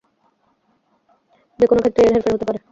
যে কোনো ক্ষেত্রেই এর হেরফের হতে পারে।